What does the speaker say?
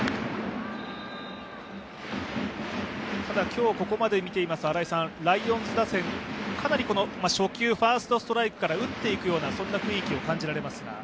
今日ここまで見ていますとライオンズ打線、初球、ファーストストライクから打っていくような雰囲気を感じられますが？